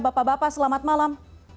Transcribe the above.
bapak bapak selamat malam